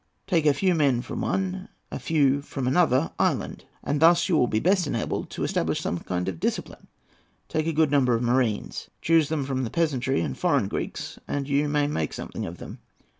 Take a few men from one, a few from another island, and thus you will be best enabled to establish some kind of discipline. Take a good number of marines. Choose them from the peasantry and foreign Greeks, and you may make something of them.